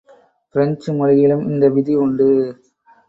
French மொழியிலும் இந்த விதி உண்டு.